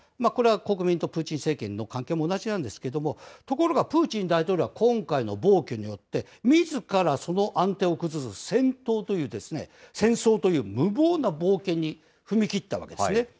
これは国民とプーチン政権の関係も同じですけれども、ところが、プーチン大統領は今回の暴挙によって、みずからその安定を崩す戦闘という、戦争という無謀な冒険に踏み切ったわけなんですね。